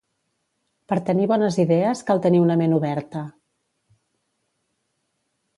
Per tenir bones idees cal tenir una ment oberta